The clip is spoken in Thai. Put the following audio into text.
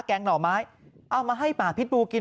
แกงหน่อไม้เอามาให้ป่าพิษบูกิน